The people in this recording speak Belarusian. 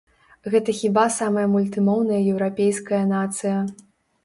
Гэта хіба самая мультымоўная еўрапейская нацыя.